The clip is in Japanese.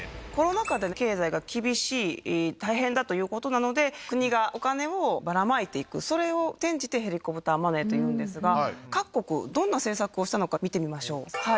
コロナ禍での経済が厳しい、大変だということなので、国がお金をばらまいていく、それを転じてヘリコプターマネーというんですが、各国どんな政策をしたのか見てみましょう。